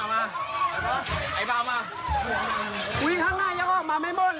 โรงงานอยู่นู้นนักโรงงานอยู่นู้น